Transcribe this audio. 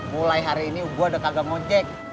mulai hari ini gue udah kagak moncek